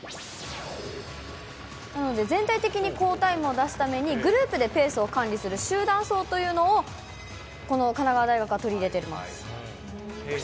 なので、全体的に好タイムを出すために、グループでペースを管理する集団走というのを、この神奈川大学は取り入れています。